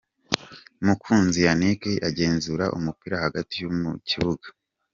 Mukunzi Yannick agenzura umupira hagati mu kibuga.